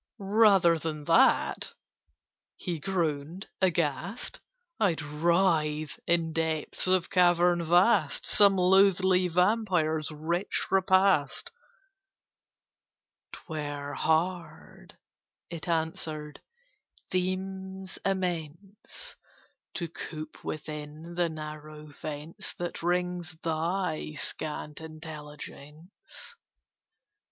"Rather than that," he groaned aghast, "I'd writhe in depths of cavern vast, Some loathly vampire's rich repast." [Picture: He groaned aghast] "'Twere hard," it answered, "themes immense To coop within the narrow fence That rings thy scant intelligence."